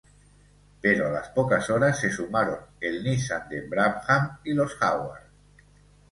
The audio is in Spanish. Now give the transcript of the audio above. Pero a las pocas horas se sumaron el Nissan de Brabham y los Jaguars.